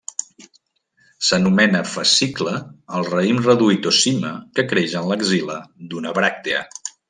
S'anomena fascicle al raïm reduït o cima que creix en l'axil·la d'una bràctea.